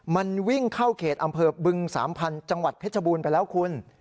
มันวิ่งเข้าเขตอำเภอบึงสามพันธุ์จังหวัดเพชรบูรณ์ไปแล้วคุณ